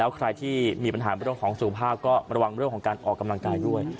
ใครที่มีปัญหาเรื่องของสุขภาพก็ระวังเรื่องของการออกกำลังกายด้วย